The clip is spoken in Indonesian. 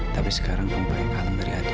tapi sekarang kamu pakai kalung dari adil